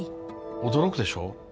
驚くでしょ？